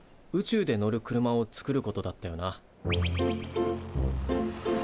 宇宙で乗る車を作ることだったよな。